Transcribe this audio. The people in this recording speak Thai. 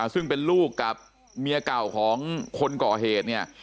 ซึ่งเป็นลูกกับเมียเก่าของคนก่อเหตุเนี่ย